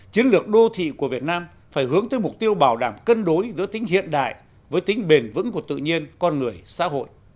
chiến lược đô thị của việt nam phải hướng tới mục tiêu bảo đảm cân đối giữa tính hiện đại với tính bền vững của tự nhiên con người xã hội